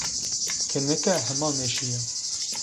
Kêneke hema nêşîya